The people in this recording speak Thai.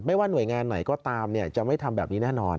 ว่าหน่วยงานไหนก็ตามจะไม่ทำแบบนี้แน่นอน